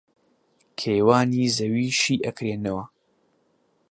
کێوانی زەوی شی ئەکرێنەوە